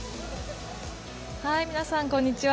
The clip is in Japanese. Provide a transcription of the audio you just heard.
皆さん、こんにちは。